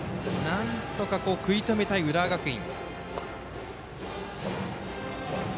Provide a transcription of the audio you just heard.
なんとか食い止めたい浦和学院。